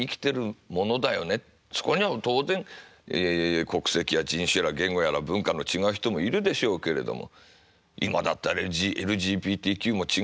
そこには当然国籍や人種やら言語やら文化の違う人もいるでしょうけれども今だってあれＬＧＢＴＱも違う人もいらっしゃるかもしれない。